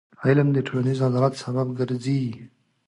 علم د ټولنیز عدالت سبب ګرځي.